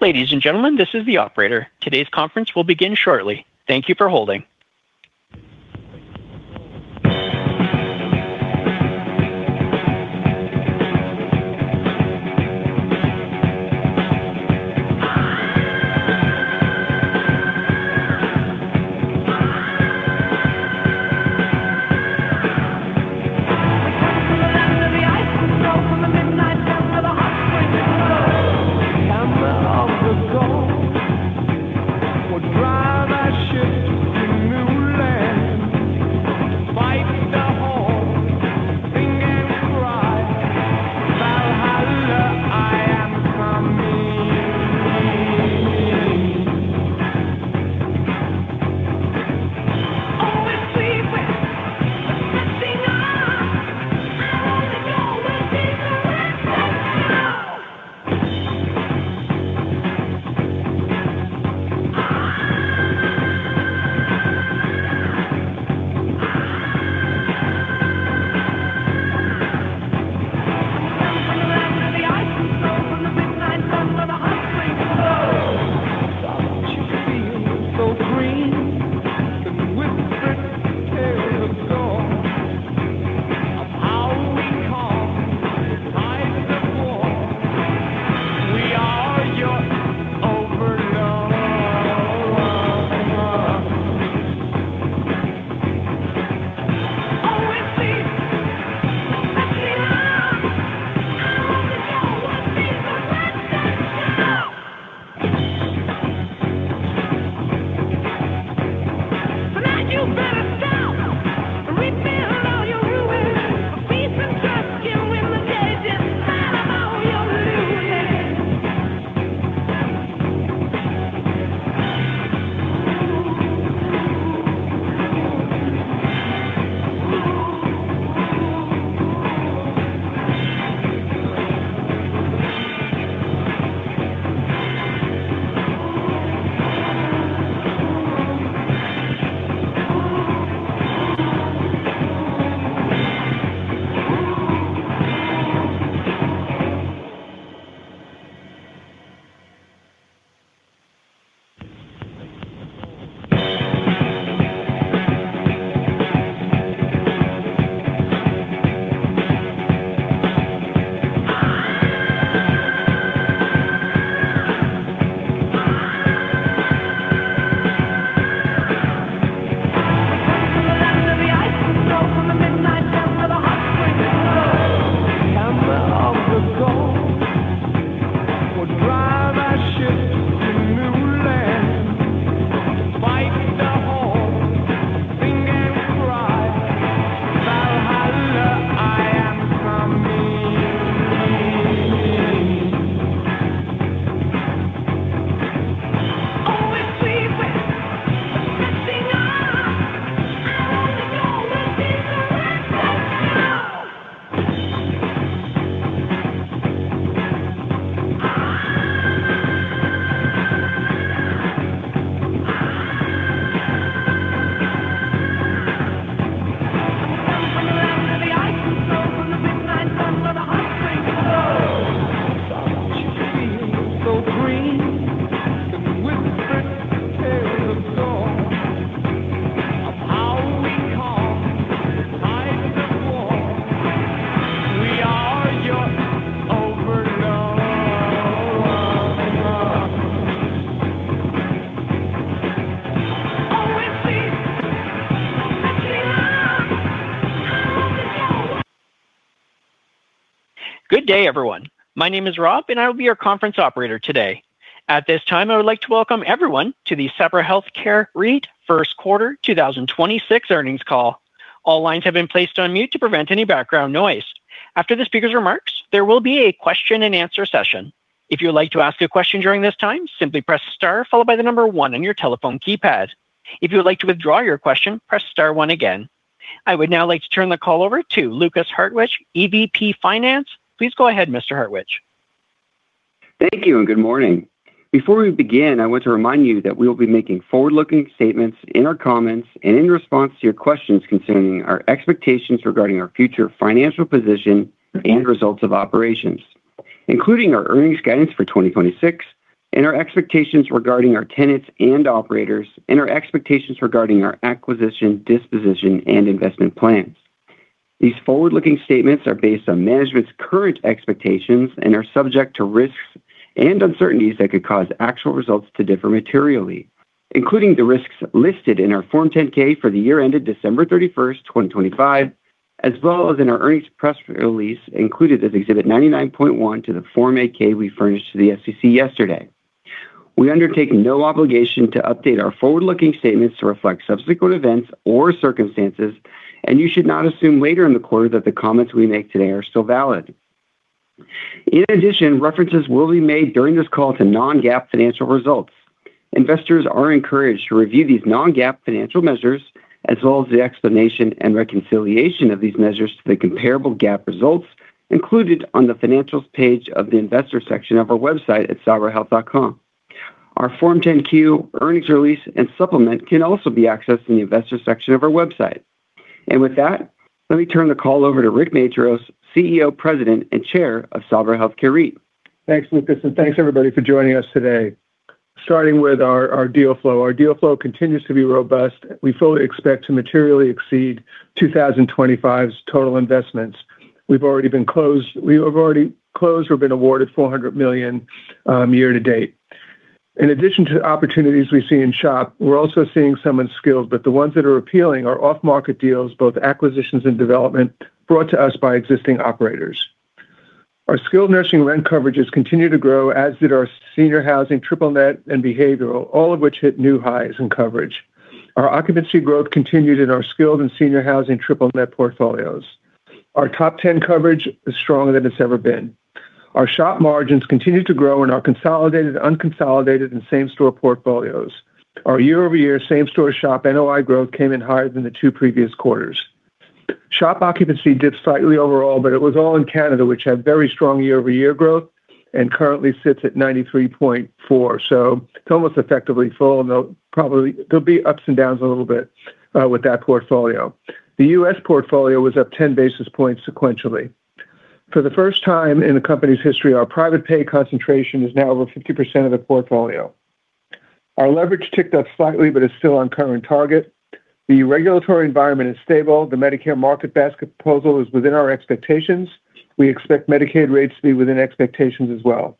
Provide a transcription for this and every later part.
Ladies and gentlemen, this is the operator. Today's conference will begin shortly. Thank you for holding Good day, everyone. My name is Rob, and I will be your conference operator today. At this time, I would like to welcome everyone to the Sabra Health Care REIT 1st quarter 2026 earnings call. All lines have been placed on mute to prevent any background noise. After the speaker's remarks, there will be a question and answer session. If you would like to ask a question during this time, simply Press Star followed by the number one on your telephone keypad. If you would like to withdraw your question, Press Star one again. I would now like to turn the call over to Lukas Hartwich, EVP Finance. Please go ahead, Mr. Hartwich. Thank you and good morning. Before we begin, I want to remind you that we will be making forward-looking statements in our comments and in response to your questions concerning our expectations regarding our future financial position and results of operations, including our earnings guidance for 2026 and our expectations regarding our tenants and operators and our expectations regarding our acquisition, disposition, and investment plans. These forward-looking statements are based on management's current expectations and are subject to risks and uncertainties that could cause actual results to differ materially, including the risks listed in our Form 10-K for the year ended December 31st, 2025, as well as in our earnings press release included as Exhibit 99.1 to the Form 8-K we furnished to the SEC yesterday. We undertake no obligation to update our forward-looking statements to reflect subsequent events or circumstances, and you should not assume later in the quarter that the comments we make today are still valid. In addition, references will be made during this call to non-GAAP financial results. Investors are encouraged to review these non-GAAP financial measures, as well as the explanation and reconciliation of these measures to the comparable GAAP results included on the Financials page of the Investor section of our website at sabrahealth.com. Our Form 10-Q, earnings release, and supplement can also be accessed in the Investor section of our website. With that, let me turn the call over to Rick Matros, CEO, President, and Chair of Sabra Health Care REIT. Thanks, Lukas, and thanks everybody for joining us today. Starting with our deal flow. Our deal flow continues to be robust. We fully expect to materially exceed 2025's total investments. We have already closed or been awarded $400 million year to date. In addition to the opportunities we see in SHOP, we're also seeing some in skilled, but the ones that are appealing are off-market deals, both acquisitions and development, brought to us by existing operators. Our skilled nursing rent coverages continue to grow, as did our senior housing triple net and behavioral, all of which hit new highs in coverage. Our occupancy growth continued in our skilled and senior housing triple net portfolios. Our top 10 coverage is stronger than it's ever been. Our shop margins continue to grow in our consolidated, unconsolidated, and same-store portfolios. Our year-over-year same-store shop NOI growth came in higher than the two previous quarters. shop occupancy dipped slightly overall, but it was all in Canada, which had very strong year-over-year growth and currently sits at 93.4. It's almost effectively full, and there'll be ups and downs a little bit with that portfolio. The U.S. portfolio was up 10 basis points sequentially. For the first time in the company's history, our private pay concentration is now over 50% of the portfolio. Our leverage ticked up slightly, but is still on current target. The regulatory environment is stable. The Medicare market basket proposal is within our expectations. We expect Medicaid rates to be within expectations as well.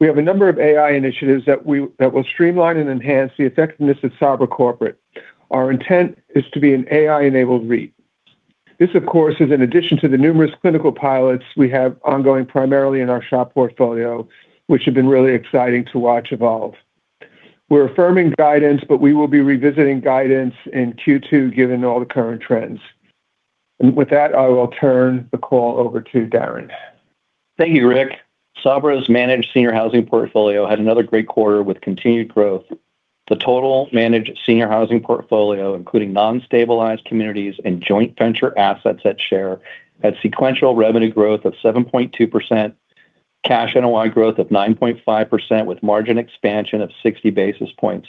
We have a number of AI initiatives that will streamline and enhance the effectiveness of Sabra corporate. Our intent is to be an AI-enabled REIT. This, of course, is in addition to the numerous clinical pilots we have ongoing primarily in our shop portfolio, which have been really exciting to watch evolve. We're affirming guidance, but we will be revisiting guidance in Q2 given all the current trends. With that, I will turn the call over to Darren. Thank you, Rick. Sabra's managed senior housing portfolio had another great quarter with continued growth. The total managed senior housing portfolio, including non-stabilized communities and joint venture assets at Share, had sequential revenue growth of 7.2%, cash NOI growth of 9.5% with margin expansion of 60 basis points.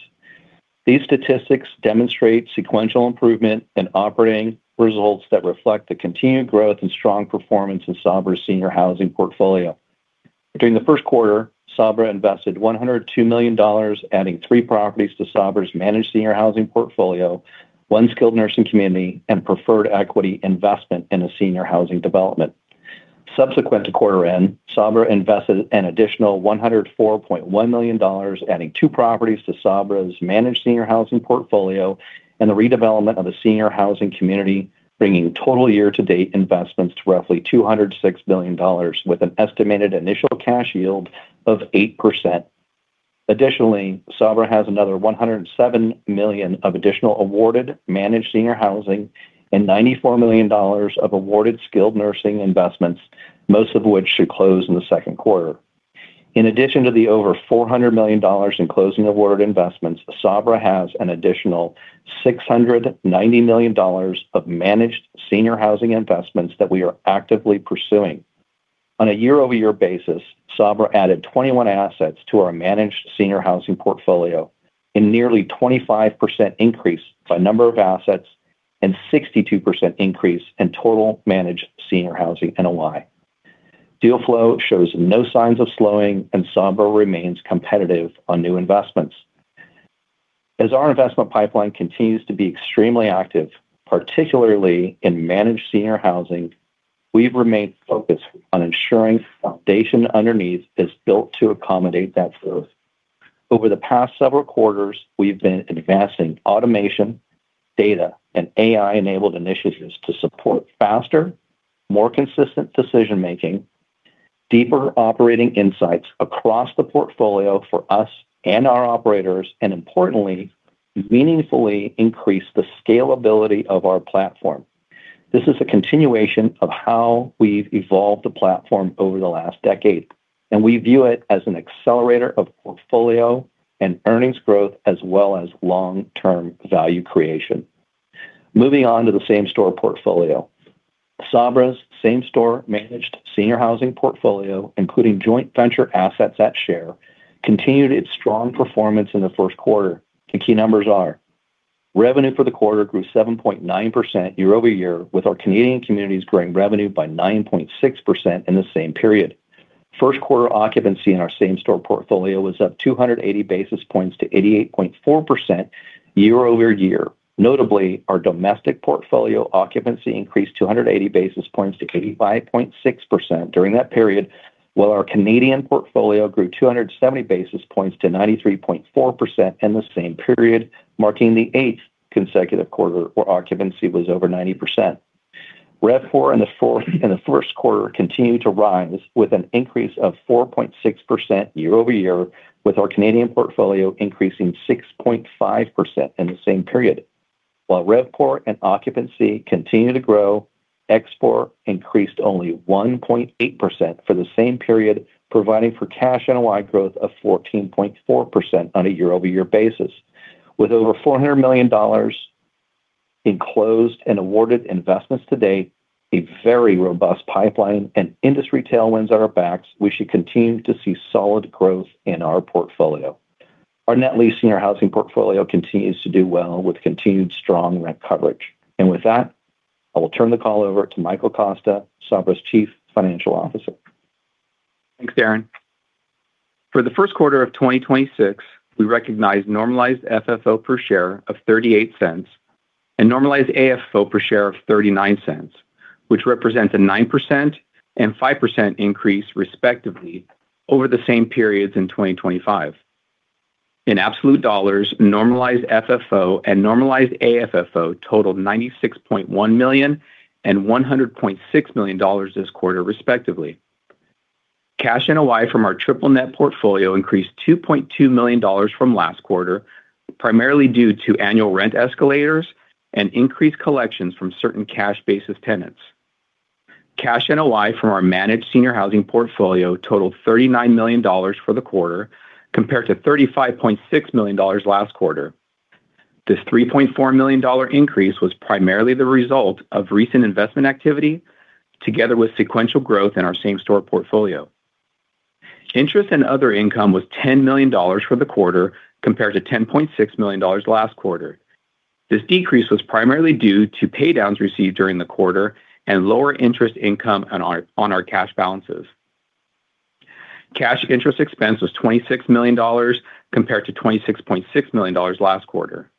These statistics demonstrate sequential improvement in operating results that reflect the continued growth and strong performance in Sabra's senior housing portfolio. During the first quarter, Sabra invested $102 million, adding three properties to Sabra's managed senior housing portfolio, one skilled nursing community, and preferred equity investment in a senior housing development. Subsequent to quarter end, Sabra invested an additional $104.1 million, adding two properties to Sabra's managed senior housing portfolio and the redevelopment of a senior housing community, bringing total year-to-date investments to roughly $206 million, with an estimated initial cash yield of 8%. Additionally, Sabra has another $107 million of additional awarded managed senior housing and $94 million of awarded skilled nursing investments, most of which should close in the second quarter. In addition to the over $400 million in closing awarded investments, Sabra has an additional $690 million of managed senior housing investments that we are actively pursuing. On a year-over-year basis, Sabra added 21 assets to our managed senior housing portfolio, a nearly 25% increase by number of assets and 62% increase in total managed senior housing NOI. Deal flow shows no signs of slowing. Sabra remains competitive on new investments. As our investment pipeline continues to be extremely active, particularly in managed senior housing, we've remained focused on ensuring foundation underneath is built to accommodate that growth. Over the past several quarters, we've been advancing automation, data, and AI-enabled initiatives to support faster, more consistent decision-making, deeper operating insights across the portfolio for us and our operators, and importantly, meaningfully increase the scalability of our platform. This is a continuation of how we've evolved the platform over the last decade. We view it as an accelerator of portfolio and earnings growth as well as long-term value creation. Moving on to the same-store portfolio. Sabra's same-store managed senior housing portfolio, including joint venture assets at Share, continued its strong performance in the first quarter. The key numbers are: revenue for the quarter grew 7.9% year over year, with our Canadian communities growing revenue by 9.6% in the same period. First quarter occupancy in our same-store portfolio was up 280 basis points to 88.4% year over year. Notably, our domestic portfolio occupancy increased 280 basis points to 85.6% during that period, while our Canadian portfolio grew 270 basis points to 93.4% in the same period, marking the 8th consecutive quarter where occupancy was over 90%. RevPAR in the 1st quarter continued to rise with an increase of 4.6% year-over-year, with our Canadian portfolio increasing 6.5% in the same period. While RevPAR and occupancy continue to grow, ExpPOR increased only 1.8% for the same period, providing for cash NOI growth of 14.4% on a year-over-year basis. With over $400 million. Enclosed and awarded investments today, a very robust pipeline, industry tailwinds at our backs, we should continue to see solid growth in our portfolio. Our net leasing our housing portfolio continues to do well with continued strong rent coverage. With that, I will turn the call over to Michael Costa, Sabra's Chief Financial Officer. Thanks, Darren. For the first quarter of 2026, we recognized normalized FFO per share of $0.38 and normalized AFFO per share of $0.39, which represents a 9% and 5% increase respectively over the same periods in 2025. In absolute dollars, normalized FFO and normalized AFFO totaled $96.1 million and $100.6 million this quarter respectively. Cash NOI from our triple net portfolio increased $2.2 million from last quarter, primarily due to annual rent escalators and increased collections from certain cash basis tenants. Cash NOI from our managed senior housing portfolio totaled $39 million for the quarter compared to $35.6 million last quarter. This $3.4 million increase was primarily the result of recent investment activity together with sequential growth in our same-store portfolio. Interest and other income was $10 million for the quarter compared to $10.6 million last quarter. This decrease was primarily due to pay downs received during the quarter and lower interest income on our cash balances. Cash interest expense was $26 million compared to $26.6 million last quarter.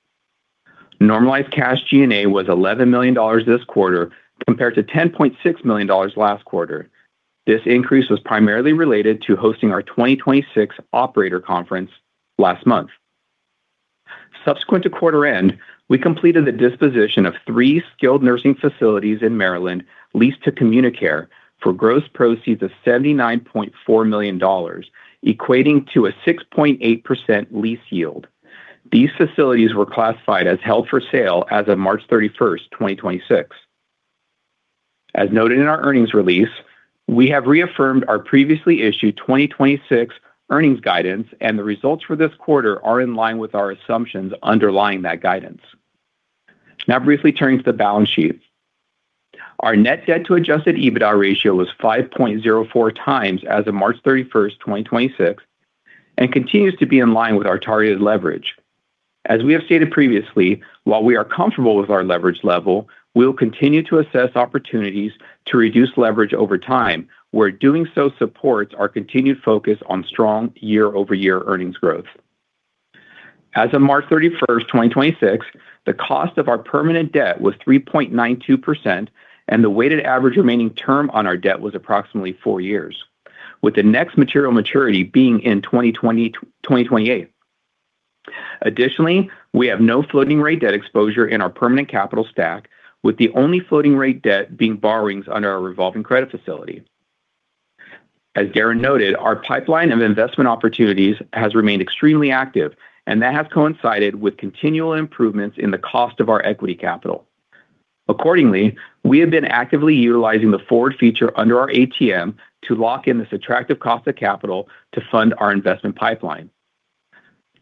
Normalized cash G&A was $11 million this quarter compared to $10.6 million last quarter. This increase was primarily related to hosting our 2026 operator conference last month. Subsequent to quarter end, we completed the disposition of three skilled nursing facilities in Maryland leased to CommuniCare for gross proceeds of $79.4 million, equating to a 6.8% lease yield. These facilities were classified as held for sale as of 31st March 2026. As noted in our earnings release, we have reaffirmed our previously issued 2026 earnings guidance, and the results for this quarter are in line with our assumptions underlying that guidance. Briefly turning to the balance sheet. Our net debt to adjusted EBITDA ratio was 5.04x as of 31st March 2026 and continues to be in line with our targeted leverage. As we have stated previously, while we are comfortable with our leverage level, we will continue to assess opportunities to reduce leverage over time, where doing so supports our continued focus on strong year-over-year earnings growth. As of 31st March 2026, the cost of our permanent debt was 3.92%, and the weighted average remaining term on our debt was approximately four years, with the next material maturity being in 2028. Additionally, we have no floating rate debt exposure in our permanent capital stack, with the only floating rate debt being borrowings under our revolving credit facility. As Darren noted, our pipeline of investment opportunities has remained extremely active, that has coincided with continual improvements in the cost of our equity capital. Accordingly, we have been actively utilizing the forward feature under our ATM to lock in this attractive cost of capital to fund our investment pipeline.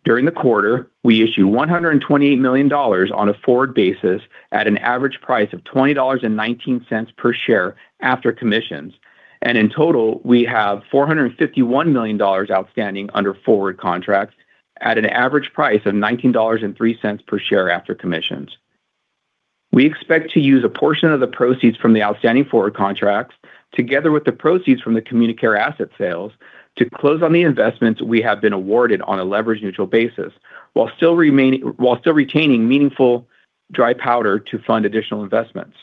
During the quarter, we issued $128 million on a forward basis at an average price of $20.19 per share after commissions. In total, we have $451 million outstanding under forward contracts at an average price of $19.03 per share after commissions. We expect to use a portion of the proceeds from the outstanding forward contracts together with the proceeds from the CommuniCare asset sales to close on the investments we have been awarded on a leverage neutral basis, while still retaining meaningful dry powder to fund additional investments.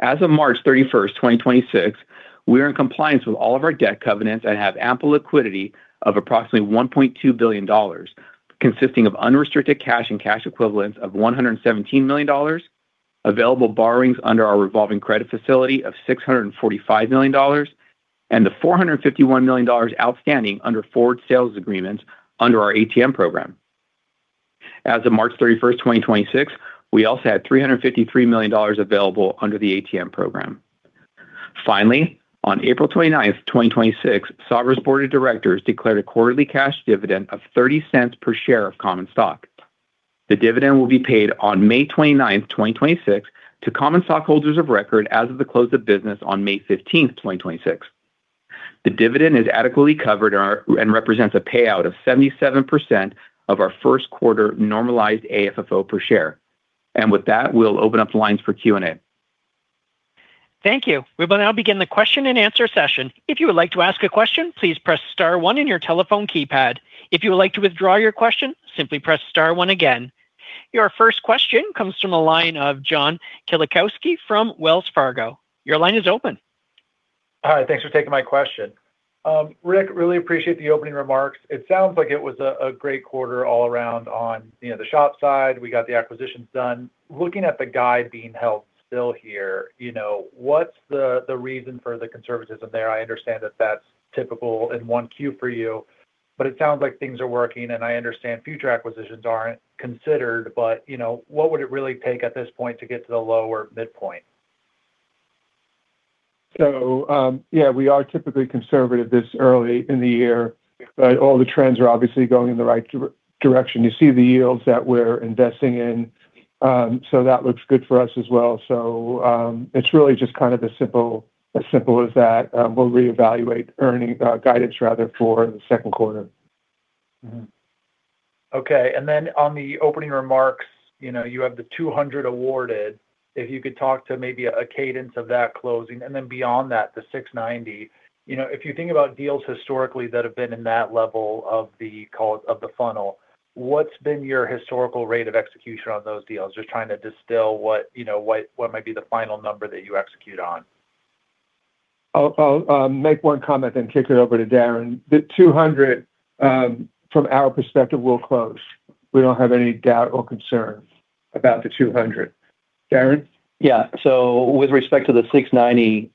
As of 31st March 2026, we are in compliance with all of our debt covenants and have ample liquidity of approximately $1.2 billion, consisting of unrestricted cash and cash equivalents of $117 million, available borrowings under our revolving credit facility of $645 million, and the $451 million outstanding under forward sales agreements under our ATM program. As of 31st March 2026, we also had $353 million available under the ATM program. Finally, on 29th April 2026, Sabra's board of directors declared a quarterly cash dividend of $0.30 per share of common stock. The dividend will be paid on 29th May 2026 to common stockholders of record as of the close of business on May 15th, 2026. The dividend is adequately covered and represents a payout of 77% of our 1st quarter normalized AFFO per share. With that, we'll open up the lines for Q&A. Thank you. We will now begin the question and answer session. Your first question comes from the line of John Kilichowski from Wells Fargo. Your line is open. All right. Thanks for taking my question. Rick, really appreciate the opening remarks. It sounds like it was a great quarter all around on, you know, the SHOP side. We got the acquisitions done. Looking at the guide being held still here, you know, what's the reason for the conservatism there? I understand that that's typical in 1Q for you, but it sounds like things are working, and I understand future acquisitions aren't considered, but, you know, what would it really take at this point to get to the lower midpoint? Yeah, we are typically conservative this early in the year, but all the trends are obviously going in the right direction. You see the yields that we're investing in, that looks good for us as well. It's really just kind of as simple as that. We'll reevaluate earning guidance rather for the second quarter. Mm-hmm. Okay. On the opening remarks, you know, you have the 200 awarded. If you could talk to maybe a cadence of that closing. Beyond that, the 690. You know, if you think about deals historically that have been in that level of the funnel, what's been your historical rate of execution on those deals? Just trying to distill what, you know, what might be the final number that you execute on. I'll make one comment and kick it over to Darren. The 200 from our perspective, will close. We don't have any doubt or concern about the 200. Darren? Yeah. With respect to the 690,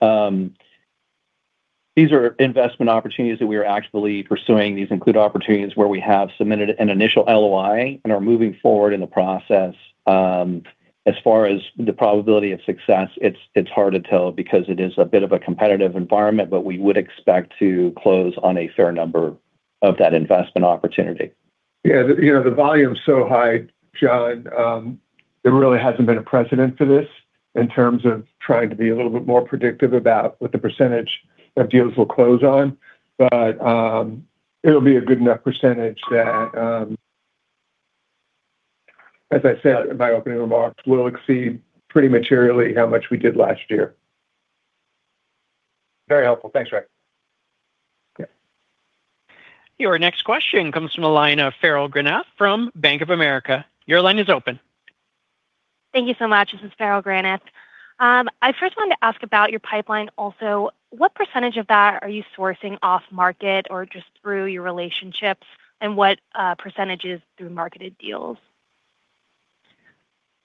these are investment opportunities that we are actively pursuing. These include opportunities where we have submitted an initial LOI and are moving forward in the process. As far as the probability of success, it's hard to tell because it is a bit of a competitive environment, but we would expect to close on a fair number of that investment opportunity. Yeah, the, you know, the volume's so high, John, there really hasn't been a precedent for this in terms of trying to be a little bit more predictive about what the percentage of deals we'll close on. It'll be a good enough percentage that, as I said in my opening remarks, we'll exceed pretty materially how much we did last year. Very helpful. Thanks, Rick. Yeah. Your next question comes from the line of Joshua Farrell-Grath from Bank of America. Your line is open. Thank you so much. This is Joshua Farrell-Grath. I first wanted to ask about your pipeline. What % of that are you sourcing off market or just through your relationships, and what % is through marketed deals?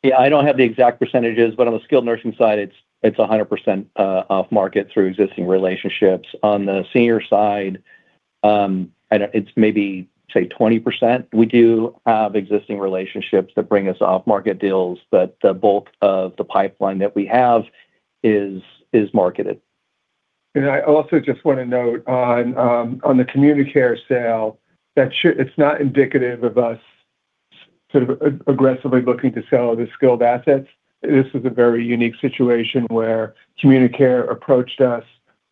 Yeah, I don't have the exact percentages, but on the skilled nursing side it's 100% off market through existing relationships. On the senior side, I don't. It's maybe, say, 20%. We do have existing relationships that bring us off market deals, but the bulk of the pipeline that we have is marketed. I also just want to note on the CommuniCare sale. It's not indicative of us sort of aggressively looking to sell other skilled assets. This was a very unique situation where CommuniCare approached us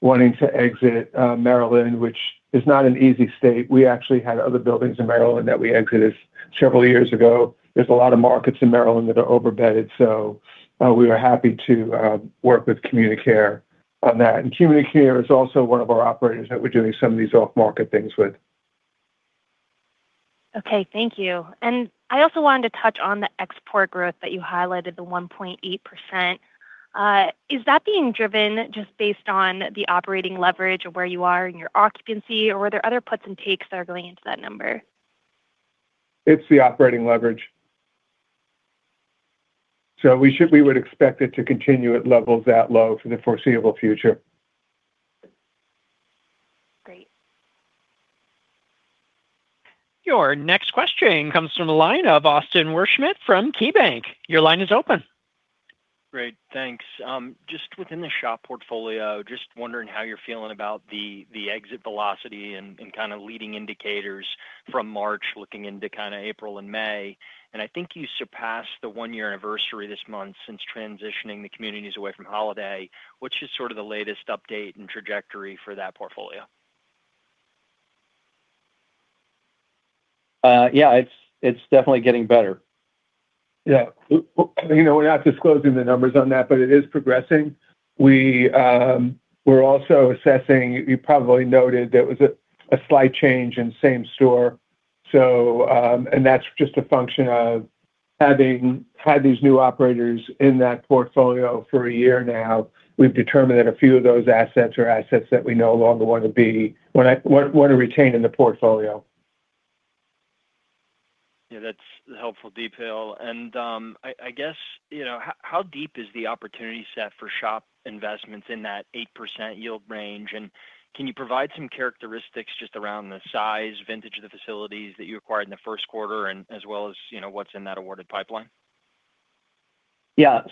wanting to exit Maryland, which is not an easy state. We actually had other buildings in Maryland that we exited several years ago. There's a lot of markets in Maryland that are over-bedded, so we were happy to work with CommuniCare on that. CommuniCare is also one of our operators that we're doing some of these off market things with. Okay, thank you. I also wanted to touch on the ExpPOR growth that you highlighted, the 1.8%. Is that being driven just based on the operating leverage of where you are in your occupancy, or are there other puts and takes that are going into that number? It's the operating leverage. We would expect it to continue at levels that low for the foreseeable future. Great. Your next question comes from the line of Austin Wurschmidt from KeyBanc Capital Markets. Your line is open. Great, thanks. Just within the SHOP portfolio, just wondering how you're feeling about the exit velocity and kind of leading indicators from March looking into kind of April and May. I think you surpassed the one-year anniversary this month since transitioning the communities away from Holiday. What's just sort of the latest update and trajectory for that portfolio? Yeah, it's definitely getting better. Yeah. You know, we're not disclosing the numbers on that, but it is progressing. We're also assessing, you probably noted, there was a slight change in same store. That's just a function of having had these new operators in that portfolio for a year now. We've determined that a few of those assets are assets that we no longer wanna retain in the portfolio. Yeah, that's a helpful detail. I guess, you know, how deep is the opportunity set for SHOP investments in that 8% yield range? Can you provide some characteristics just around the size, vintage of the facilities that you acquired in the first quarter, as well as, you know, what's in that awarded pipeline? There's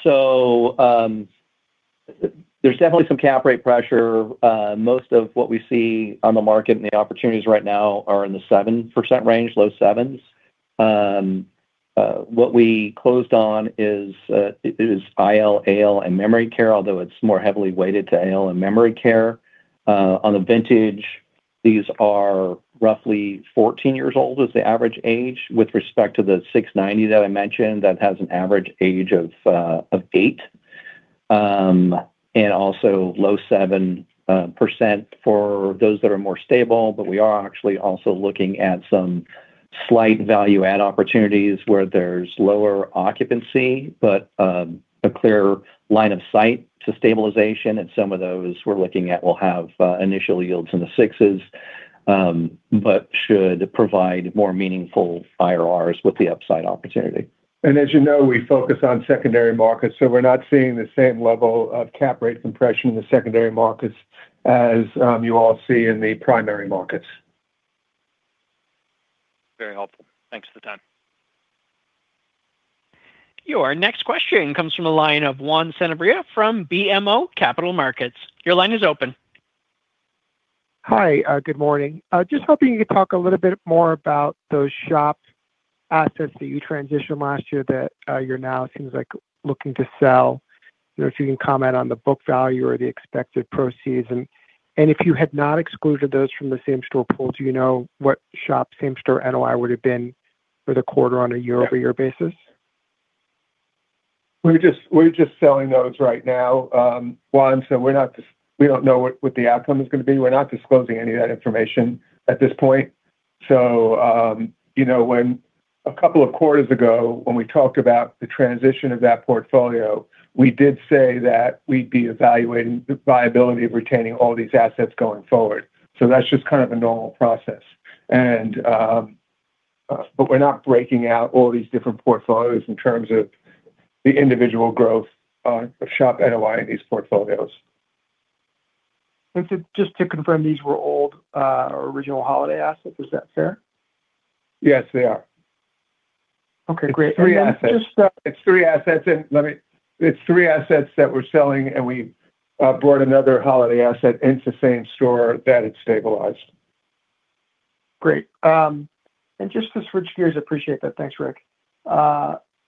definitely some cap rate pressure. Most of what we see on the market and the opportunities right now are in the 7% range, low 7s. What we closed on is IL, AL, and memory care, although it's more heavily weighted to AL and memory care. On the vintage, these are roughly 14 years old is the average age. With respect to the 690 that I mentioned, that has an average age of eight, and also low 7% for those that are more stable. We are actually also looking at some slight value add opportunities where there's lower occupancy, but a clear line of sight to stabilization. Some of those we're looking at will have initial yields in the 6s, but should provide more meaningful IRRs with the upside opportunity. As you know, we focus on secondary markets, so we're not seeing the same level of cap rate compression in the secondary markets as you all see in the primary markets. Very helpful. Thanks for the time. Your next question comes from the line of Juan Sanabria from BMO Capital Markets. Your line is open. Hi. Good morning. Just hoping you could talk a little bit more about those SHOP assets that you transitioned last year that, you're now, it seems like, looking to sell. You know, if you can comment on the book value or the expected proceeds. If you had not excluded those from the same-store pool, do you know what SHOP same-store NOI would have been for the quarter on a year-over-year basis? We're just selling those right now, Juan, we don't know what the outcome is gonna be. We're not disclosing any of that information at this point. You know, when a couple of quarters ago when we talked about the transition of that portfolio, we did say that we'd be evaluating the viability of retaining all these assets going forward. That's just kind of a normal process. We're not breaking out all these different portfolios in terms of the individual growth of SHOP NOI in these portfolios. Just to confirm, these were old, original Holiday assets. Is that fair? Yes, they are. Okay, great. Then just. It's three assets that we're selling, and we brought another Holiday asset into same store that had stabilized. Great. Just to switch gears, appreciate that. Thanks, Rick.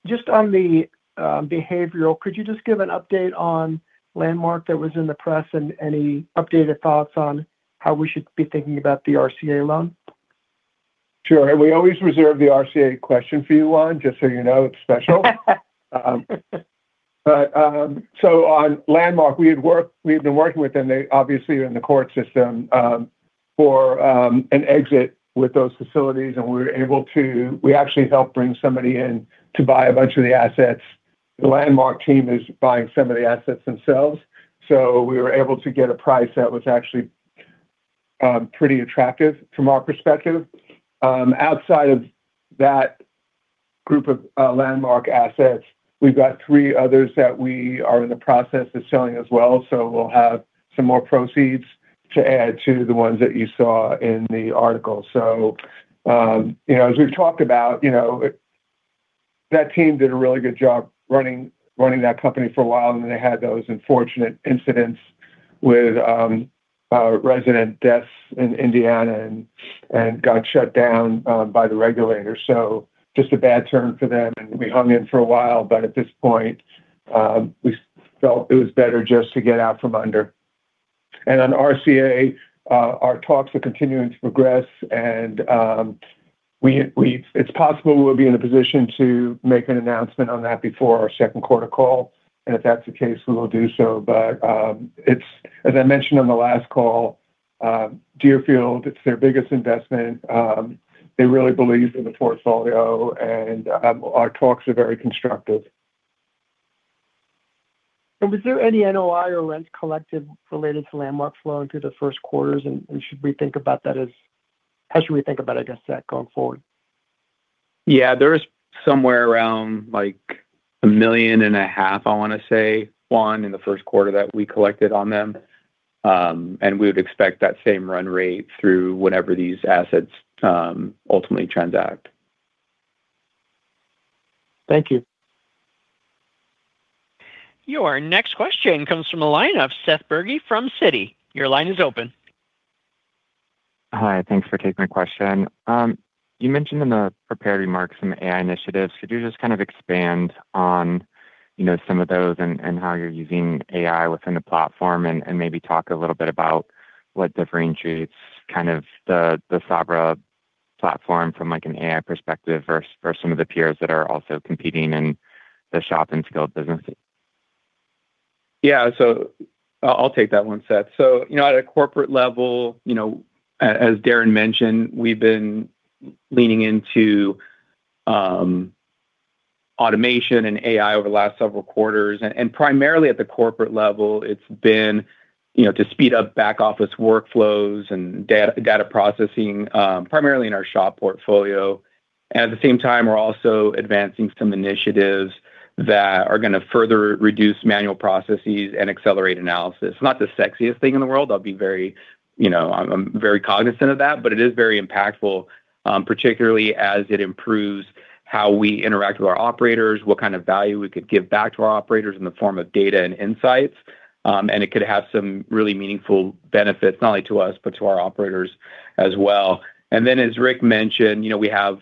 Just on the behavioral, could you just give an update on Landmark that was in the press and any updated thoughts on how we should be thinking about the RCA loan? Sure. We always reserve the RCA question for you, Juan, just so you know it's special. On Landmark, we had worked, we had been working with them, they obviously are in the court system for an exit with those facilities. We actually helped bring somebody in to buy a bunch of the assets. The Landmark team is buying some of the assets themselves, so we were able to get a price that was actually pretty attractive from our perspective. Outside of that group of Landmark assets, we've got three others that we are in the process of selling as well. We'll have some more proceeds to add to the ones that you saw in the article. You know, as we've talked about, you know, that team did a really good job running that company for a while, and then they had those unfortunate incidents with resident deaths in Indiana and got shut down by the regulators. Just a bad turn for them. We hung in for a while, but at this point, we felt it was better just to get out from under. On RCA, our talks are continuing to progress and it's possible we'll be in a position to make an announcement on that before our second quarter call, and if that's the case, we will do so. It's, as I mentioned on the last call, Deerfield, it's their biggest investment. They really believe in the portfolio and our talks are very constructive. Was there any NOI or rent collected related to Landmark flowing through the first quarters? How should we think about, I guess, that going forward? Yeah. There is somewhere around, like, a million and a half, I wanna say, Juan, in the first quarter that we collected on them. We would expect that same run rate through whenever these assets ultimately transact. Thank you. Your next question comes from the line of Seth Bergey from Citi. Your line is open. Hi. Thanks for taking my question. You mentioned in the prepared remarks some AI initiatives. Could you just kind of expand on, you know, some of those and how you're using AI within the platform and maybe talk a little bit about what differentiates kind of the Sabra platform from, like, an AI perspective versus some of the peers that are also competing in the SHOP and skilled businesses? Yeah. I'll take that one, Seth. You know, as Darren mentioned, we've been leaning into automation and AI over the last several quarters. Primarily at the corporate level, it's been, you know, to speed up back office workflows and data processing, primarily in our SHOP portfolio. At the same time, we're also advancing some initiatives that are gonna further reduce manual processes and accelerate analysis. Not the sexiest thing in the world. I'll be very, you know, I'm very cognizant of that, but it is very impactful, particularly as it improves how we interact with our operators, what kind of value we could give back to our operators in the form of data and insights. It could have some really meaningful benefits, not only to us, but to our operators as well. Then, as Rick mentioned, you know, we have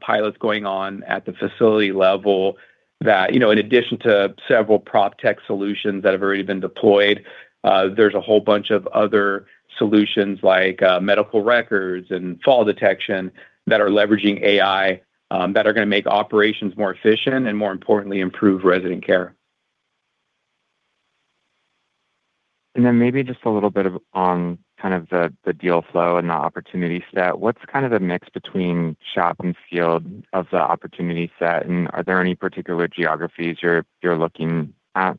pilots going on at the facility level that, you know, in addition to several PropTech solutions that have already been deployed, there's a whole bunch of other solutions like medical records and fall detection that are leveraging AI that are gonna make operations more efficient and, more importantly, improve resident care. Then maybe just a little bit on kind of the deal flow and the opportunity set. What's kind of the mix between SHOP and skilled of the opportunity set, and are there any particular geographies you're looking at?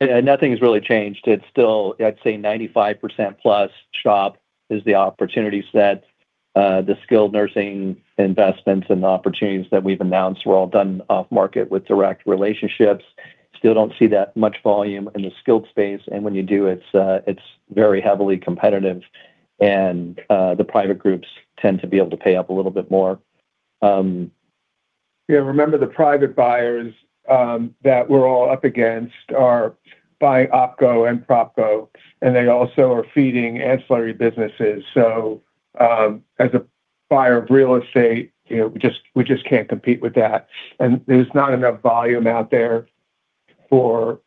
Yeah. Nothing has really changed. It's still, I'd say, 95% plus SHOP is the opportunity set. The skilled nursing investments and the opportunities that we've announced were all done off market with direct relationships. Still don't see that much volume in the skilled space, and when you do it's very heavily competitive and, the private groups tend to be able to pay up a little bit more. Yeah, remember the private buyers that we're all up against are by OpCo and PropCo. They also are feeding ancillary businesses. As a buyer of real estate, you know, we just can't compete with that. There's not enough volume out there for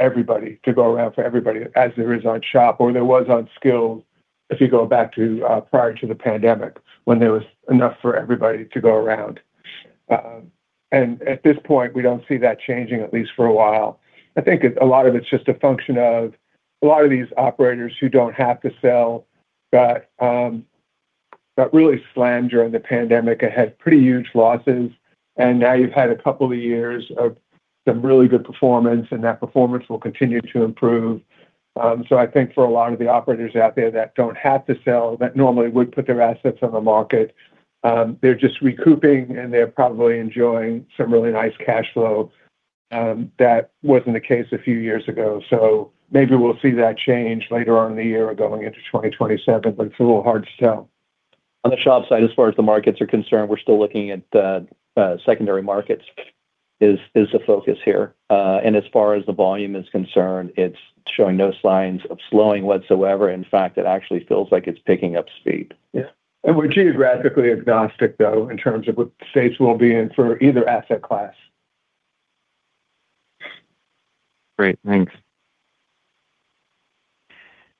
everybody to go around for everybody as there is on SHOP or there was on SNF, if you go back to prior to the pandemic when there was enough for everybody to go around. At this point, we don't see that changing, at least for a while. I think a lot of it's just a function of a lot of these operators who don't have to sell got really slammed during the pandemic and had pretty huge losses, and now you've had two years of some really good performance, and that performance will continue to improve. I think for a lot of the operators out there that don't have to sell that normally would put their assets on the market, they're just recouping, and they're probably enjoying some really nice cash flow. That wasn't the case a few years ago, so maybe we'll see that change later on in the year or going into 2027, but it's a little hard to tell. On the SHOP side, as far as the markets are concerned, we're still looking at the secondary markets is the focus here. As far as the volume is concerned, it's showing no signs of slowing whatsoever. In fact, it actually feels like it's picking up speed. Yeah. We're geographically agnostic, though, in terms of what states we'll be in for either asset class. Great. Thanks.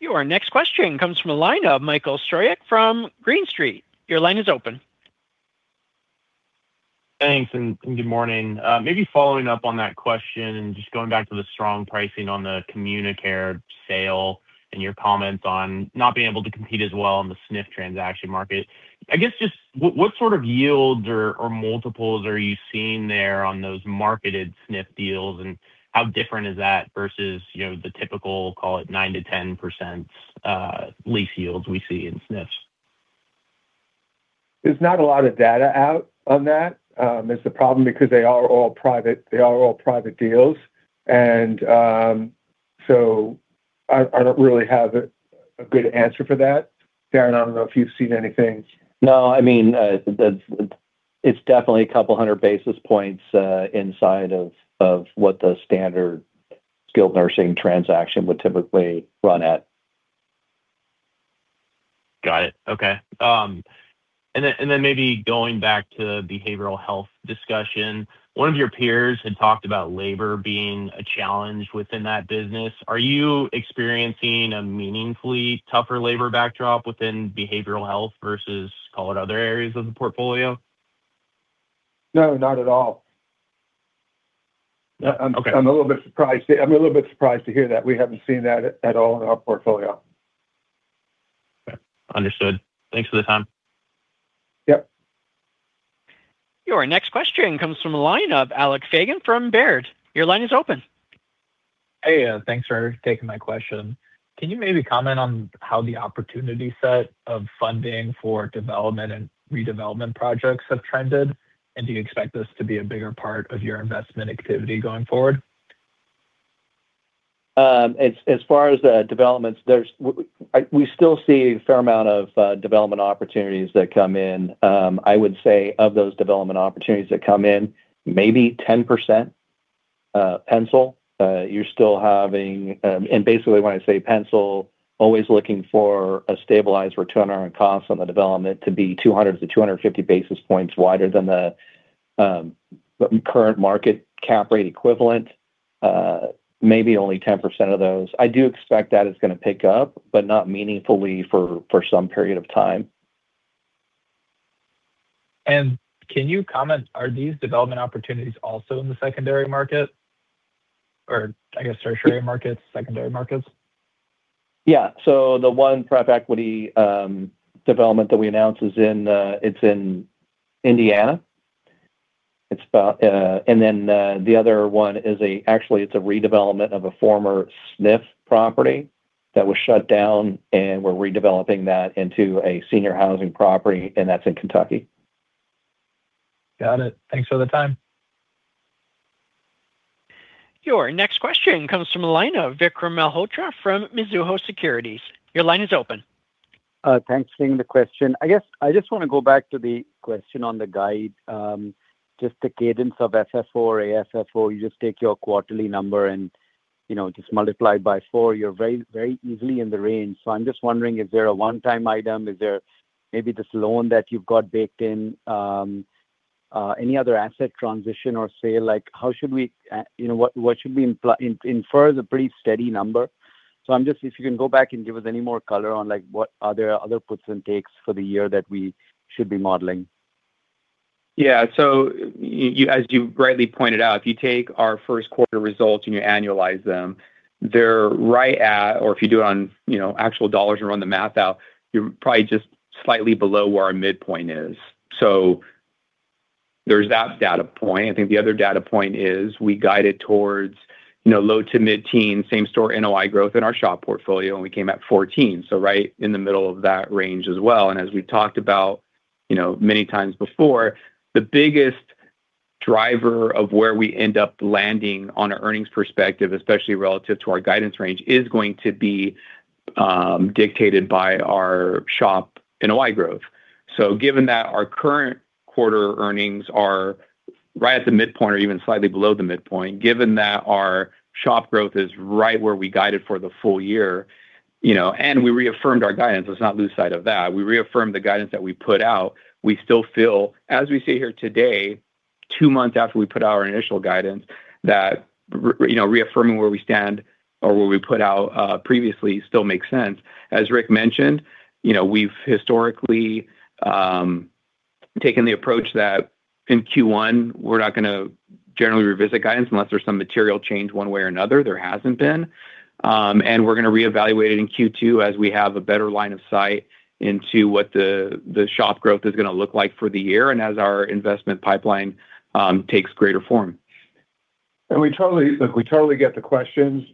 Your next question comes from a lineup. Michael Stroyeck from Green Street, your line is open. Thanks, and good morning. Maybe following up on that question and just going back to the strong pricing on the CommuniCare sale and your comments on not being able to compete as well on the SNF transaction market. I guess just what sort of yields or multiples are you seeing there on those marketed SNF deals, how different is that versus, you know, the typical, call it 9%-10% lease yields we see in SNFs? There's not a lot of data out on that is the problem because they are all private, they are all private deals. So I don't really have a good answer for that. Darren, I don't know if you've seen anything. No, I mean, it's definitely a couple hundred basis points inside of what the standard skilled nursing transaction would typically run at. Got it. Okay. Then maybe going back to behavioral health discussion, one of your peers had talked about labor being a challenge within that business. Are you experiencing a meaningfully tougher labor backdrop within behavioral health versus, call it, other areas of the portfolio? No, not at all. Okay. I'm a little bit surprised to hear that. We haven't seen that at all in our portfolio. Okay. Understood. Thanks for the time. Yep. Your next question comes from a line of Alec Feygin from Baird. Your line is open. Hey, thanks for taking my question. Can you maybe comment on how the opportunity set of funding for development and redevelopment projects have trended? Do you expect this to be a bigger part of your investment activity going forward? As far as the developments, we still see a fair amount of development opportunities that come in. I would say of those development opportunities that come in, maybe 10% pencil. Basically, when I say pencil, always looking for a stabilized return on costs on the development to be 200-250 basis points wider than the current market cap rate equivalent, maybe only 10% of those. I do expect that it's gonna pick up, but not meaningfully for some period of time. Can you comment, are these development opportunities also in the secondary market, or I guess tertiary markets, secondary markets? Yeah. The one prep equity development that we announced is in Indiana. Actually, the other one is a redevelopment of a former SNF property that was shut down, and we're redeveloping that into a senior housing property, and that's in Kentucky. Got it. Thanks for the time. Your next question comes from a line of Vikram Malhotra from Mizuho Securities. Your line is open. Thanks for taking the question. I guess I just wanna go back to the question on the guide. Just the cadence of SS4, ASF4. You just take your quarterly number and, you know, just multiply it by four. You're very, very easily in the range. I'm just wondering, is there a one-time item? Is there maybe this loan that you've got baked in, any other asset transition or sale? Like, how should we, you know, what should we infer is a pretty steady number. If you can go back and give us any more color on, like, what other puts and takes for the year that we should be modeling. Yeah. As you rightly pointed out, if you take our first quarter results and you annualize them, or if you do it on, you know, actual dollars and run the math out, you're probably just slightly below where our midpoint is. There's that data point. I think the other data point is we guided towards, you know, low to mid-teen same store NOI growth in our SHOP portfolio, and we came at 14, right in the middle of that range as well. As we talked about, you know, many times before, the biggest driver of where we end up landing on a earnings perspective, especially relative to our guidance range, is going to be dictated by our SHOP NOI growth. Given that our current quarter earnings are right at the midpoint or even slightly below the midpoint, given that our SHOP growth is right where we guided for the full year, you know, and we reaffirmed our guidance, let's not lose sight of that. We reaffirmed the guidance that we put out. We still feel as we sit here today, two months after we put out our initial guidance, that you know, reaffirming where we stand or where we put out previously still makes sense. As Rick mentioned, you know, we've historically taken the approach that in Q1 we're not gonna generally revisit guidance unless there's some material change one way or another. There hasn't been. We're gonna reevaluate it in Q2 as we have a better line of sight into what the SHOP growth is gonna look like for the year and as our investment pipeline takes greater form. Look, we totally get the questions,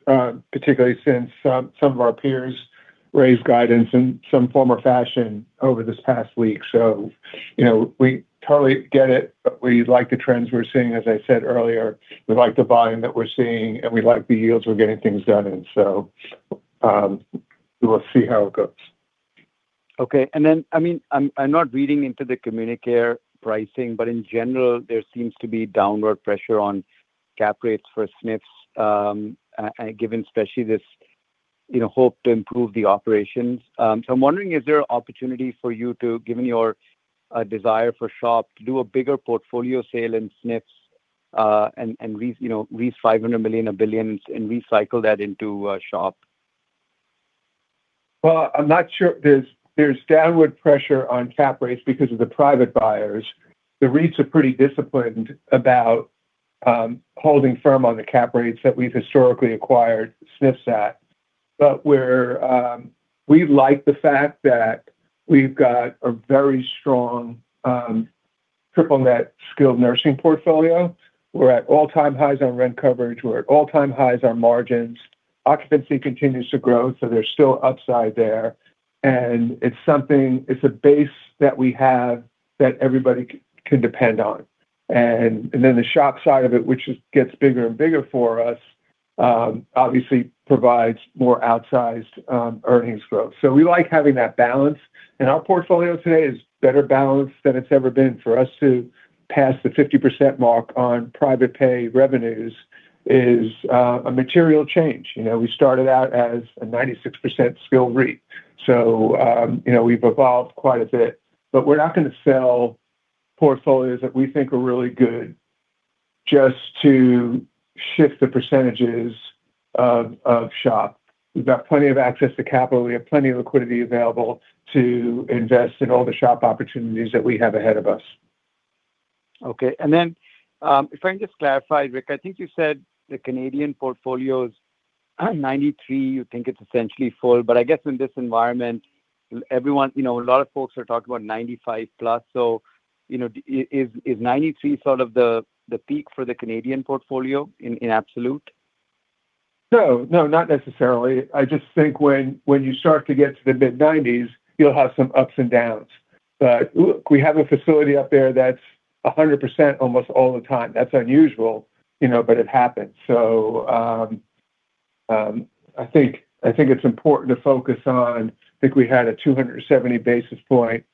particularly since some of our peers raised guidance in some form or fashion over this past week. You know, we totally get it. We like the trends we're seeing, as I said earlier. We like the volume that we're seeing, and we like the yields we're getting things done in. We will see how it goes. Okay. Then, I mean, I'm not reading into the CommuniCare pricing, but in general, there seems to be downward pressure on cap rates for SNFs, given especially this, you know, hope to improve the operations. I'm wondering, is there an opportunity for you to, given your desire for SHOP, to do a bigger portfolio sale in SNFs, and raise $500 million or billions and recycle that into SHOP? I'm not sure there's downward pressure on cap rates because of the private buyers. The REITs are pretty disciplined about holding firm on the cap rates that we've historically acquired SNFs at. We like the fact that we've got a very strong triple net skilled nursing portfolio. We're at all-time highs on rent coverage. We're at all-time highs on margins. Occupancy continues to grow, so there's still upside there. It's something, it's a base that we have that everybody can depend on. Then the SHOP side of it, which gets bigger and bigger for us, obviously provides more outsized earnings growth. We like having that balance, and our portfolio today is better balanced than it's ever been. For us to pass the 50% mark on private pay revenues is a material change. You know, we started out as a 96% SNF REIT. You know, we've evolved quite a bit. We're not gonna sell portfolios that we think are really good just to shift the percentages of SHOP. We've got plenty of access to capital. We have plenty of liquidity available to invest in all the SHOP opportunities that we have ahead of us. Okay. If I can just clarify, Rick, I think you said the Canadian portfolio's 93. You think it's essentially full. I guess in this environment, you know, a lot of folks are talking about 95 plus. You know, is 93 sort of the peak for the Canadian portfolio in absolute? No. No, not necessarily. I just think when you start to get to the mid-90s, you'll have some ups and downs. Look, we have a facility up there that's 100% almost all the time. That's unusual, you know, but it happens. I think it's important to focus on. I think we had a 270 basis points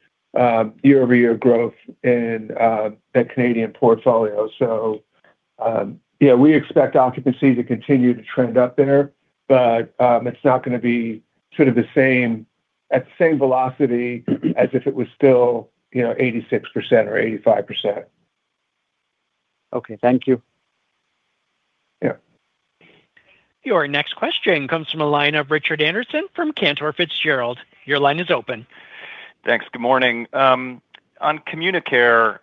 year-over-year growth in that Canadian portfolio. Yeah, we expect occupancy to continue to trend up there. It's not going to be sort of at the same velocity as if it was still, you know, 86% or 85%. Okay. Thank you. Yeah. Your next question comes from the line of Richard Anderson from Cantor Fitzgerald. Your line is open. Thanks. Good morning. On CommuniCare,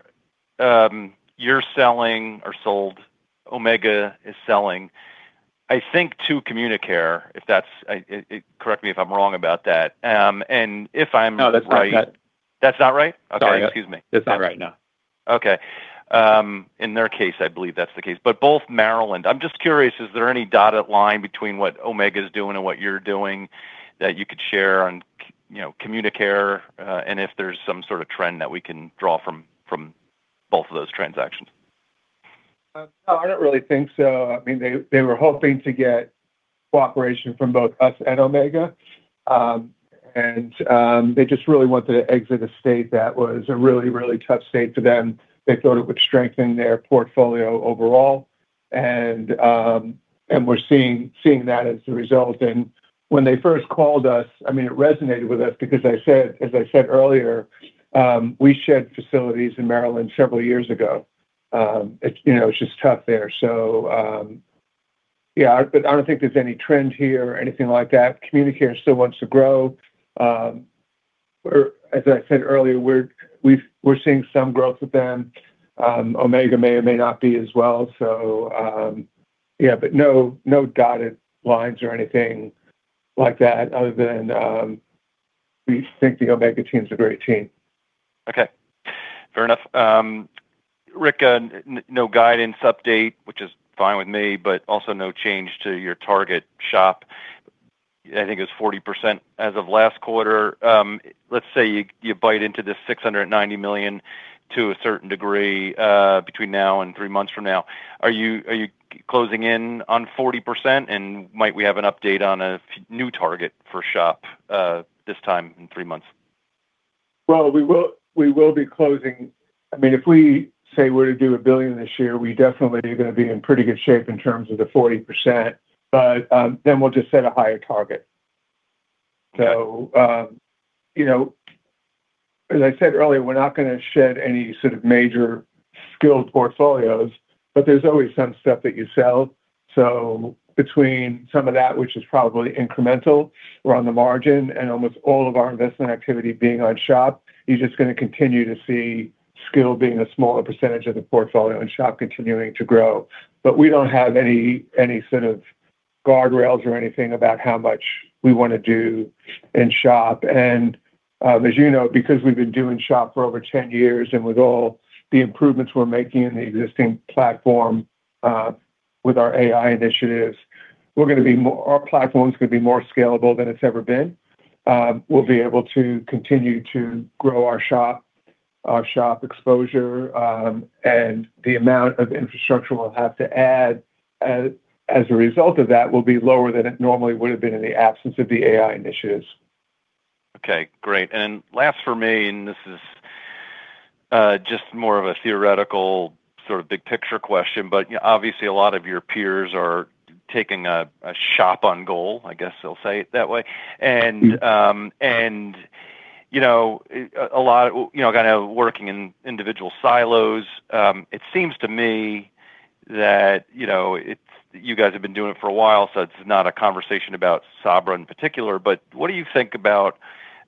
you're selling or sold. Omega is selling, I think, to CommuniCare. Correct me if I'm wrong about that. No, that's not right. That's not right? Okay. Excuse me. Sorry. That's not right. No. Okay. In their case, I believe that's the case. Both Maryland. I'm just curious, is there any dotted line between what Omega's doing and what you're doing that you could share on you know, CommuniCare, and if there's some sort of trend that we can draw from both of those transactions? No, I don't really think so. I mean, they were hoping to get cooperation from both us and Omega. They just really wanted to exit a state that was a really, really tough state for them. They thought it would strengthen their portfolio overall. We're seeing that as a result. When they first called us, I mean, it resonated with us because as I said earlier, we shed facilities in Maryland several years ago. It's, you know, it's just tough there. Yeah, I don't think there's any trend here or anything like that. CommuniCare still wants to grow. As I said earlier, we're seeing some growth with them. Omega may or may not be as well. Yeah, but no dotted lines or anything like that other than, we think the Omega team's a great team. Okay. Fair enough. Rick, no guidance update, which is fine with me, but also no change to your target SHOP I think it was 40% as of last quarter. Let's say you bite into this $690 million to a certain degree, between now and three months from now. Are you closing in on 40%? Might we have an update on a new target for SHOP, this time in three months? Well, we will be closing. I mean, if we say we're to do $1 billion this year, we definitely are gonna be in pretty good shape in terms of the 40%. We'll just set a higher target. You know, as I said earlier, we're not gonna shed any sort of major skilled portfolios, there's always some stuff that you sell. Between some of that, which is probably incremental or on the margin, and almost all of our investment activity being on SHOP, you're just gonna continue to see skill being a smaller percentage of the portfolio and SHOP continuing to grow. We don't have any sort of guardrails or anything about how much we wanna do in SHOP. As you know, because we've been doing SHOP for over 10 years and with all the improvements we're making in the existing platform, with our AI initiatives, our platform is gonna be more scalable than it's ever been. We'll be able to continue to grow our SHOP, our SHOP exposure, and the amount of infrastructure we'll have to add as a result of that will be lower than it normally would have been in the absence of the AI initiatives. Okay, great. Last for me, this is just more of a theoretical sort of big picture question, but, you know, obviously a lot of your peers are taking a SHOP on goal, I guess they'll say it that way. You know, a lot, you know, kind of working in individual silos. It seems to me that, you know, you guys have been doing it for a while, so it's not a conversation about Sabra in particular, but what do you think about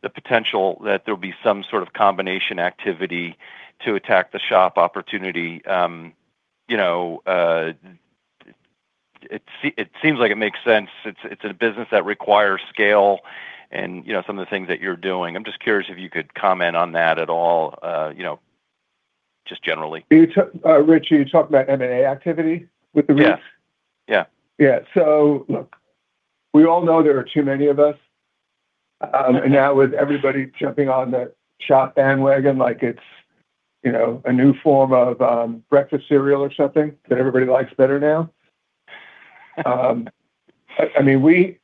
the potential that there'll be some sort of combination activity to attack the SHOP opportunity? You know, it seems like it makes sense. It's a business that requires scale and, you know, some of the things that you're doing. I'm just curious if you could comment on that at all, you know, just generally. You, Rich, are you talking about M&A activity with the REITs? Yeah. Yeah. Yeah. Look, we all know there are too many of us. Now with everybody jumping on the SHOP bandwagon like it's, you know, a new form of breakfast cereal or something that everybody likes better now. I mean,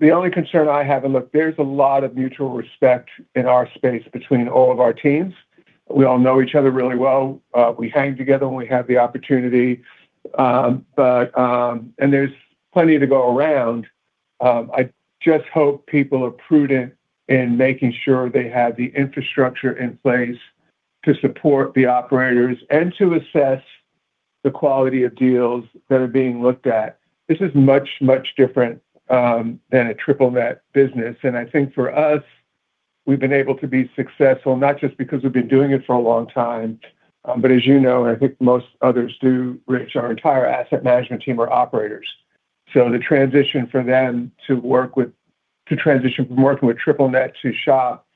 the only concern I have. Look, there's a lot of mutual respect in our space between all of our teams. We all know each other really well. We hang together when we have the opportunity. There's plenty to go around. I just hope people are prudent in making sure they have the infrastructure in place to support the operators and to assess the quality of deals that are being looked at. This is much, much different than a triple net business. I think for us, we've been able to be successful, not just because we've been doing it for a long time, but as you know, and I think most others do, Rich, our entire asset management team are operators. The transition for them to transition from working with triple net to SHOP,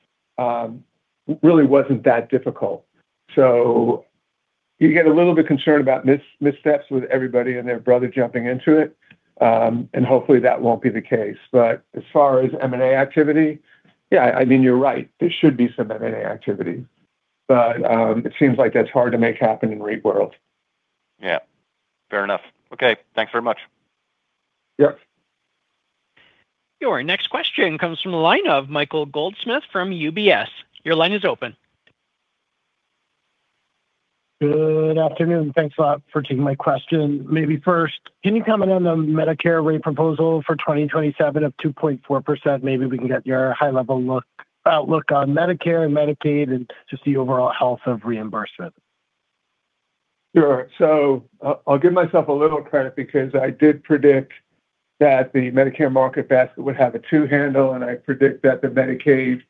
really wasn't that difficult. You get a little bit concerned about missteps with everybody and their brother jumping into it. Hopefully that won't be the case. As far as M&A activity, yeah, I mean, you're right. There should be some M&A activity. It seems like that's hard to make happen in REIT world. Yeah. Fair enough. Okay. Thanks very much. Yep. Your next question comes from the line of Michael Goldsmith from UBS. Your line is open. Good afternoon. Thanks a lot for taking my question. Maybe first, can you comment on the Medicare rate proposal for 2027 of 2.4%? Maybe we can get your high level look, outlook on Medicare and Medicaid and just the overall health of reimbursement. Sure. I'll give myself a little credit because I did predict that the Medicare market basket would have a two handle, and I predict that the Medicaid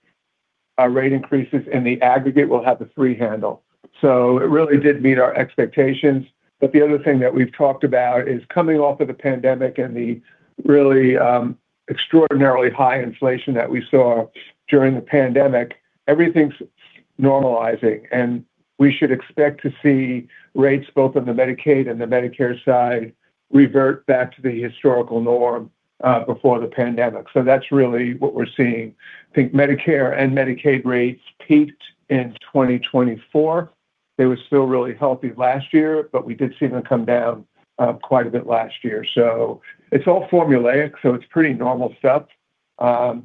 rate increases and the aggregate will have a three handle. It really did meet our expectations. The other thing that we've talked about is coming off of the pandemic and the really extraordinarily high inflation that we saw during the pandemic, everything's normalizing, and we should expect to see rates both on the Medicaid and the Medicare side revert back to the historical norm before the pandemic. That's really what we're seeing. I think Medicare and Medicaid rates peaked in 2024. They were still really healthy last year, but we did see them come down quite a bit last year. It's all formulaic, so it's pretty normal stuff.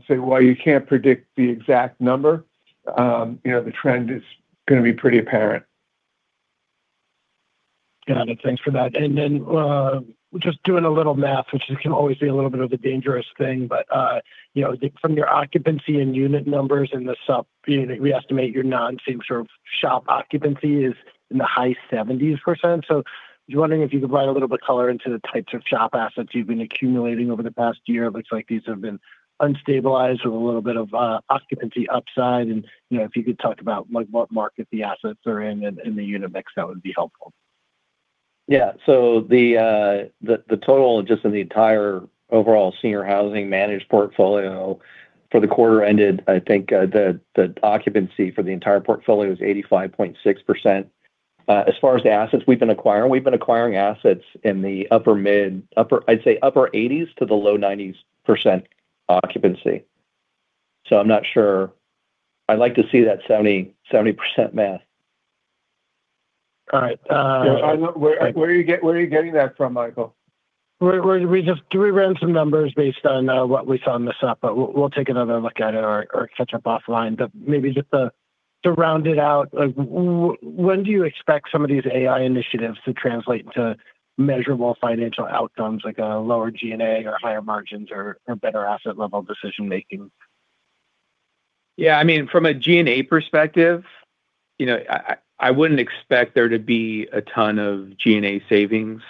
Say while you can't predict the exact number, you know, the trend is gonna be pretty apparent. Got it. Thanks for that. Just doing a little math, which can always be a little bit of a dangerous thing, you know, from your occupancy and unit numbers and, you know, we estimate your non-same sort of SHOP occupancy is in the high 70%. Just wondering if you could provide a little bit color into the types of SHOP assets you've been accumulating over the past year. It looks like these have been unstabilized with a little bit of occupancy upside. You know, if you could talk about like what market the assets are in and the unit mix, that would be helpful. Yeah. The total just in the entire overall senior housing managed portfolio for the quarter ended, I think, the occupancy for the entire portfolio is 85.6%. As far as the assets we've been acquiring, we've been acquiring assets in the upper 80s to the low 90s% occupancy. I'm not sure. I'd like to see that 70% math. All right. Yeah, where are you getting that from, Michael? We just, we ran some numbers based on what we saw on the spot, but we'll take another look at it or catch up offline. Maybe just to round it out, like when do you expect some of these AI initiatives to translate into measurable financial outcomes like a lower G&A or higher margins or better asset level decision-making? Yeah, I mean, from a G&A perspective, you know, I wouldn't expect there to be a ton of G&A savings.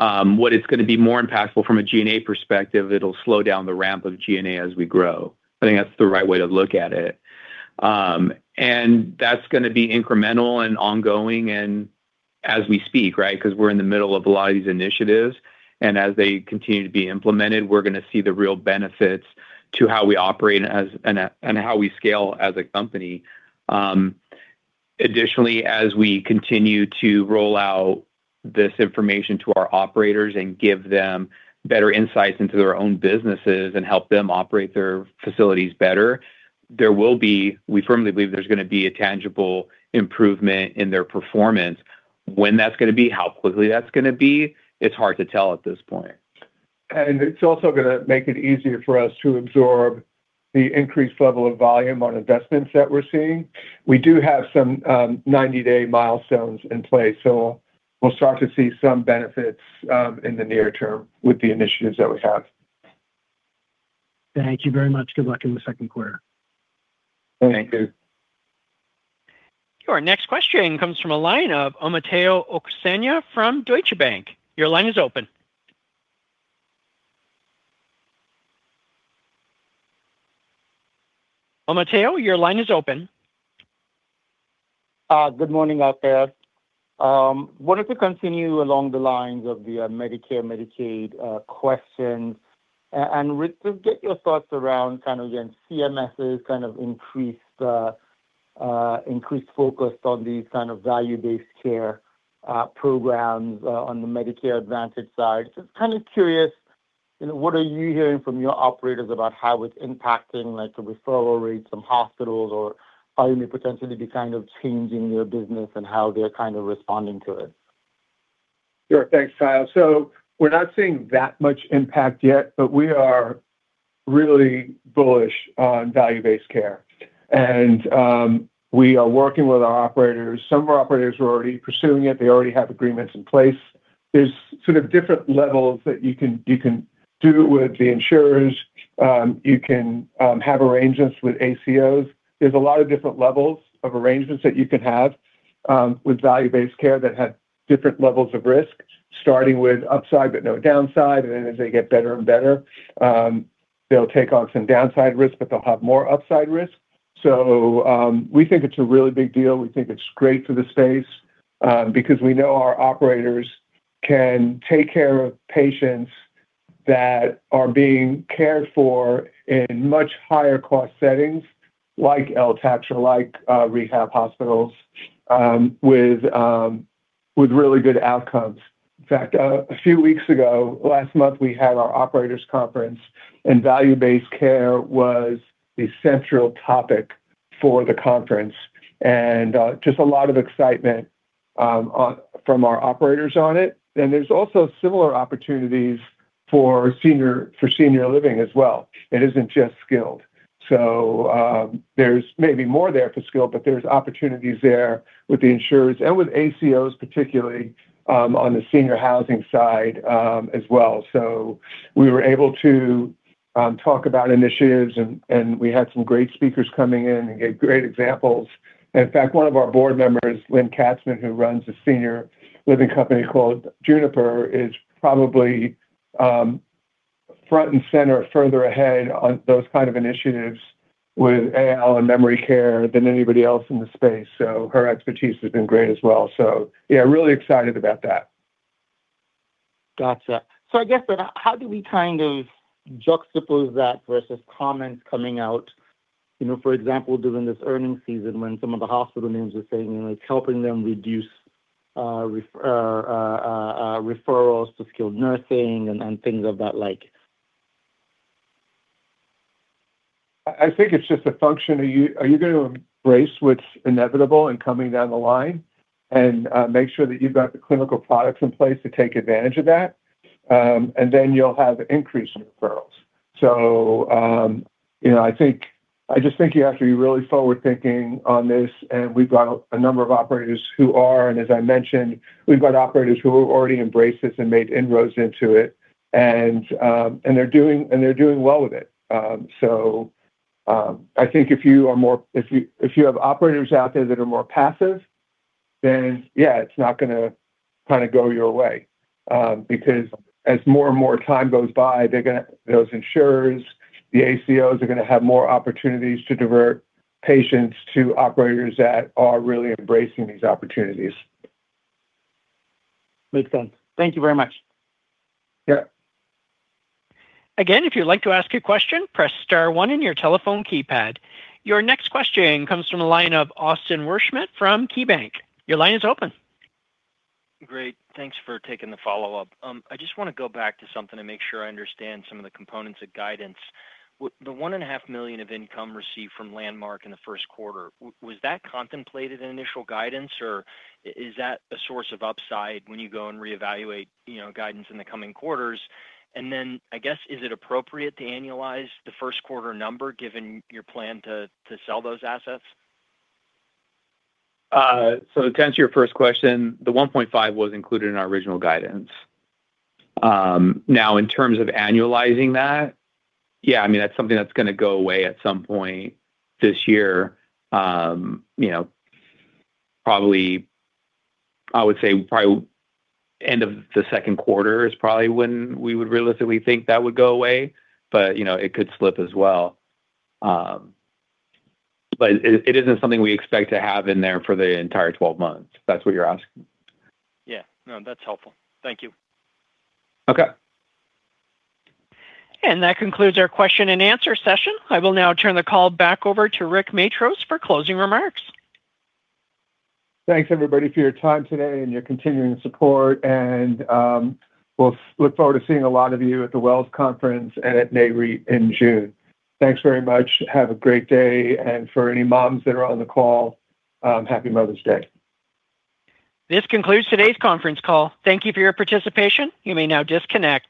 What is gonna be more impactful from a G&A perspective, it'll slow down the ramp of G&A as we grow. I think that's the right way to look at it. That's gonna be incremental and ongoing and as we speak, right? 'Cause we're in the middle of a lot of these initiatives, and as they continue to be implemented, we're gonna see the real benefits to how we operate as, and how we scale as a company. Additionally, as we continue to roll out this information to our operators and give them better insights into their own businesses and help them operate their facilities better, we firmly believe there's gonna be a tangible improvement in their performance. When that's gonna be, how quickly that's gonna be, it's hard to tell at this point. It's also gonna make it easier for us to absorb the increased level of volume on investments that we're seeing. We do have some 90-day milestones in place, so we'll start to see some benefits in the near term with the initiatives that we have. Thank you very much. Good luck in the second quarter. Thank you. Thank you. Your next question comes from a line of Omotayo Okusanya from Deutsche Bank. Your line is open. Omotayo, your line is open. Good morning out there. Wanted to continue along the lines of the Medicare, Medicaid questions. Rick, to get your thoughts around kind of, again, CMS' kind of increased focus on these kind of value-based care programs on the Medicare Advantage side. Just kind of curious, you know, what are you hearing from your operators about how it's impacting like the referral rates from hospitals or how you may potentially be kind of changing your business and how they're kind of responding to it? Sure. Thanks, Kyle. We're not seeing that much impact yet, but we are really bullish on value-based care. We are working with our operators. Some of our operators are already pursuing it. They already have agreements in place. There's sort of different levels that you can, you can do with the insurers. You can have arrangements with ACOs. There's a lot of different levels of arrangements that you can have with value-based care that have different levels of risk, starting with upside but no downside. As they get better and better, they'll take on some downside risk, but they'll have more upside risk. We think it's a really big deal. We think it's great for the space because we know our operators can take care of patients that are being cared for in much higher cost settings like LTAC or like rehab hospitals with really good outcomes. In fact, a few weeks ago, last month, we had our operators conference, value-based care was the central topic for the conference and just a lot of excitement on, from our operators on it. There's also similar opportunities for senior living as well. It isn't just skilled. There's maybe more there for skilled, but there's opportunities there with the insurers and with ACOs particularly on the senior housing side as well. We were able to talk about initiatives and we had some great speakers coming in and gave great examples. In fact, one of our board members, Lynne Katzmann, who runs a senior living company called Juniper, is probably front and center further ahead on those kind of initiatives with AL and memory care than anybody else in the space. Her expertise has been great as well. Yeah, really excited about that. Gotcha. I guess then how do we kind of juxtapose that versus comments coming out, you know, for example, during this earnings season when some of the hospital names are saying, you know, it's helping them reduce referrals to skilled nursing and things of that like? I think it's just a function of are you gonna embrace what's inevitable and coming down the line and make sure that you've got the clinical products in place to take advantage of that? Then you'll have increased referrals. You know, I just think you have to be really forward-thinking on this, and we've got a number of operators who are. As I mentioned, we've got operators who have already embraced this and made inroads into it and they're doing well with it. I think if you have operators out there that are more passive, then yeah, it's not gonna kinda go your way. Because as more and more time goes by, they're gonna those insurers, the ACOs are gonna have more opportunities to divert patients to operators that are really embracing these opportunities. Makes sense. Thank you very much. Yeah. Again, if you'd like to ask a question, Press Star one in your telephone keypad. Your next question comes from the line of Austin Wurschmidt from KeyBanc. Your line is open. Great. Thanks for taking the follow-up. I just wanna go back to something and make sure I understand some of the components of guidance. The one and a half million dollars of income received from Landmark in the first quarter, was that contemplated in initial guidance, or is that a source of upside when you go and reevaluate, you know, guidance in the coming quarters? Then I guess, is it appropriate to annualize the first quarter number given your plan to sell those assets? To answer your first question, the 1.5 was included in our original guidance. In terms of annualizing that, yeah, I mean, that's something that's gonna go away at some point this year. You know, probably, I would say probably end of the 2nd quarter is probably when we would realistically think that would go away, but you know, it could slip as well. It, it isn't something we expect to have in there for the entire 12 months, if that's what you're asking. Yeah. No, that's helpful. Thank you. Okay. That concludes our question and answer session. I will now turn the call back over to Rick Matros for closing remarks. Thanks everybody for your time today and your continuing support and, we'll look forward to seeing a lot of you at the Wells Conference and at Nareit in June. Thanks very much. Have a great day and for any moms that are on the call, Happy Mother's Day. This concludes today's Conference Call. Thank you for your participation. You may now disconnect.